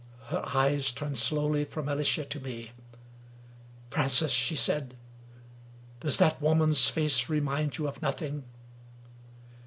Her eyes turned slowly from Alicia to me. " Francis," she said, " does that woman's face re mind you of nothing?"